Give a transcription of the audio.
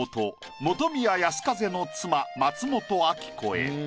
本宮泰風の妻松本明子へ。